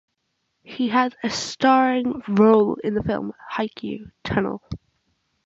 He had a starring role in the film "Haiku Tunnel".